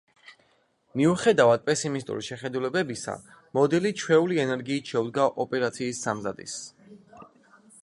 მიუხედავად პესიმისტური შეხედულებისა, მოდელი ჩვეული ენერგიით შეუდგა ოპერაციისთვის სამზადისს.